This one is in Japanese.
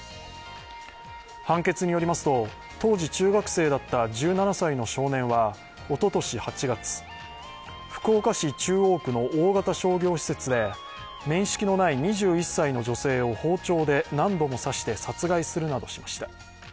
判決によりますと当時中学生だった１７歳の少年はおととし８月、福岡市中央区の大型商業施設で面識のない２１歳の女性を包丁で何度も刺して殺害するなどしました。